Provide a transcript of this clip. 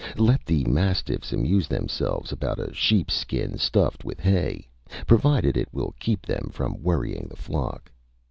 Let the mastiffs amuse themselves about a sheep's skin stuffed with hay, provided it will keep them from worrying the flock.